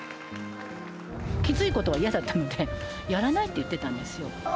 きついことは嫌だったので、やらないって言ってたんですよ。